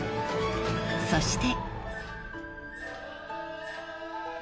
［そして］